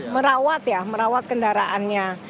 merawat ya merawat kendaraannya